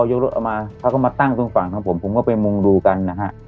ยกรถเอามาเขาก็มาตั้งตรงฝั่งของผมผมก็ไปมุงดูกันนะฮะ